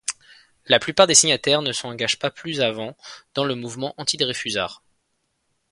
La plupart des signataires ne s'engagent pas plus avant dans le mouvement antidreyfusard.